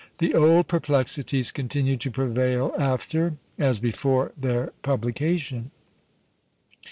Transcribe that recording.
The old perplexities continued to prevail after, as before their publication.